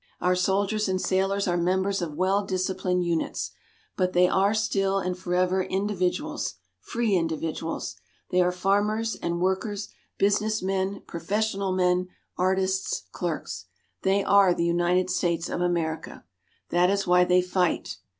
Our soldiers and sailors are members of well disciplined units. But they are still and forever individuals free individuals. They are farmers, and workers, businessmen, professional men, artists, clerks. They are the United States of America. That is why they fight.